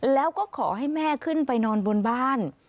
แล้วก็ขอให้แม่ขึ้นไปนอนบนบ้าน